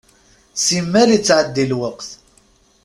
Simmal ittɛeddi lweqt.